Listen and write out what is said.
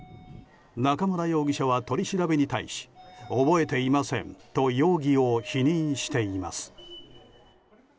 中村容疑者は取り調べに対し覚えていませんと容疑を否認しています。